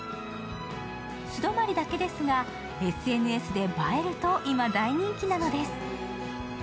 素泊まりだけですが、ＳＮＳで映えると今、大人気なのです。